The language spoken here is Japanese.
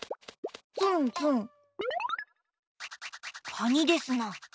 カニですな。